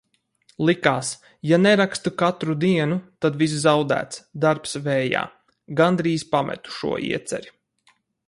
Likās, ja nerakstu katru dienu, tad viss zaudēts, darbs vējā. Gandrīz pametu šo ieceri.